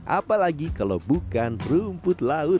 apalagi kalau bukan rumput laut